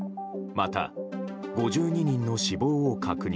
また、５２人の死亡を確認。